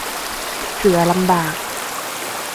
เสือลำบาก